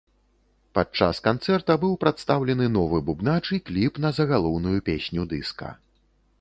Падчас канцэрта быў прадстаўлены новы бубнач і кліп на загалоўную песню дыска.